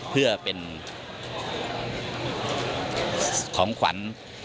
เพื่อเป็นของขวัญ